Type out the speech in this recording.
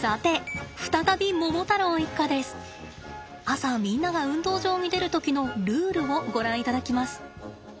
朝みんなが運動場に出る時のルールをご覧いただきます。